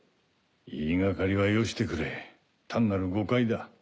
言いがかりはよしてくれ単なる誤解だ。